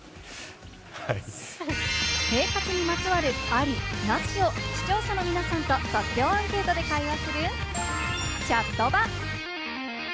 生活にまつわるありなしを視聴者の皆さんと即興アンケートで会話するチャットバ。